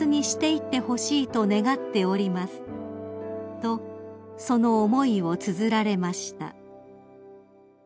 ［とその思いをつづられました］